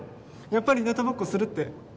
やっぱりひなたぼっこするって。